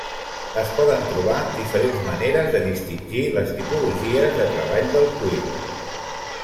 Es poden trobar diferents maneres de distingir les tipologies de treball del cuir.